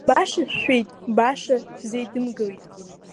Баша шәшәеит, баша шәзеидымгылеит.